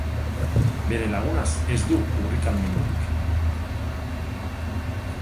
Bere lagunaz ez du urrikalmendurik.